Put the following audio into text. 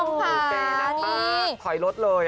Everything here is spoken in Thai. เป๋น้ำปลาถอยรถเลย